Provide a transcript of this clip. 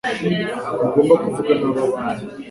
Ntugomba kuvuga nabi abandi.